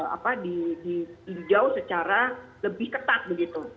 apa di jauh secara lebih ketat begitu